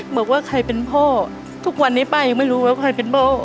บอกว่าใครเป็นพ่อทุกวันนี้ป้ายังไม่รู้ว่าใครเป็นพ่อ